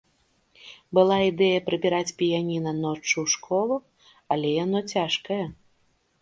Была ідэя прыбіраць піяніна ноччу ў школу, але яно цяжкае.